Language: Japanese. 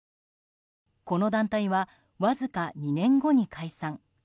この団体はわずか２年後に解散。